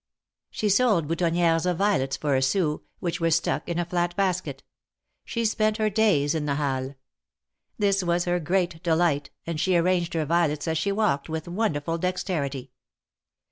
She sold boutonnieres of violets for a sou, which were stuck in a flat basket. She spent her days in the Halles. This was her great delight, and she arranged her violets as she walked, with wonderful dexterity.